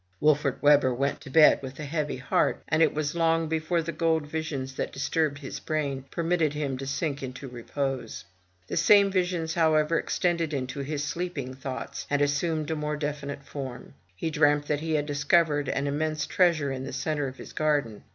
'* Wolfert Webber went to bed with a heavy heart; and it was long before the golden visions that disturbed his brain permitted him to sink into repose. The same visions, however, extended into his sleeping thoughts, and assumed a more definite form. He dreamt that he had discovered an immense treasure in the centre of his garden.